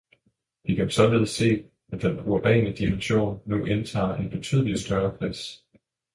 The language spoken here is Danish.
Vi kan således se, at den urbane dimension nu indtager en betydeligt større plads.